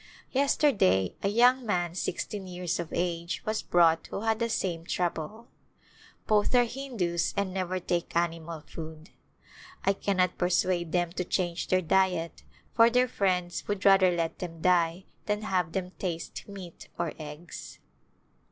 Yesterday a young man six teen years of age was brought who had the same trouble. Both are Hindus and never take animal food. I cannot persuade them to change their diet for their friends would rather let them die than have them taste meat or eggs.